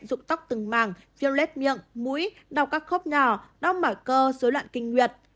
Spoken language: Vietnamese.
rụng tóc từng màng phiêu lết miệng mũi đau các khóc nhỏ đau mỏi cơ dối loạn kinh nguyệt